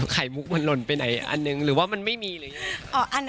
ไข่มุกมันหล่นไปไหนอันหนึ่งหรือว่ามันไม่มีหรือ